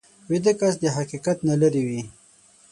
ویده کس د حقیقت نه لرې وي